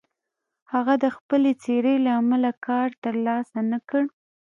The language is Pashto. هغه د خپلې څېرې له امله کار تر لاسه نه کړ.